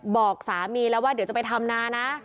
บอกสามีแล้วว่าเดี๋ยวจะไปทำนานะ